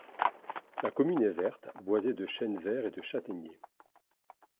La commune est verte, boisée de chênes verts et de châtaigniers.